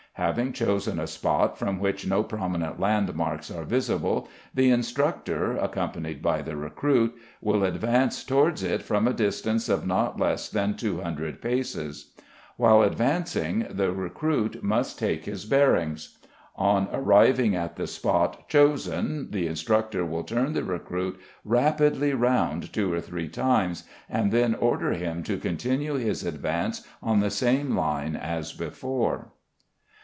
Having chosen a spot from which no prominent landmarks are visible, the instructor, accompanied by the recruit, will advance towards it from a distance of not less than 200 paces. While advancing the recruit must take his bearings. On arriving at the spot chosen the instructor will turn the recruit rapidly round two or three times, and then order him to continue his advance on the same line as before.